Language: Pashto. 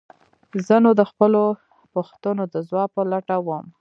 زه نو د خپلو پوښتنو د ځواب په لټه وم.